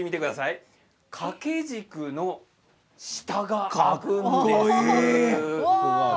掛け軸の下が開くんです。